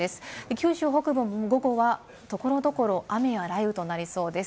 九州北部も午後は所々雨や雷雨となりそうです。